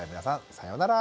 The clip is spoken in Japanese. さようなら。